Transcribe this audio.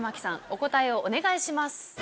お答えをお願いします。